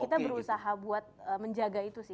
kita berusaha buat menjaga itu sih